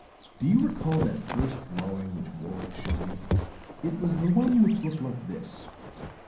Do you recall that first drawing which Warwick showed you? It was the one which looked like this."